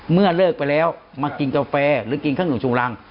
เลิกไปแล้วมากินกาแฟหรือกินข้างหนึ่งชูรัง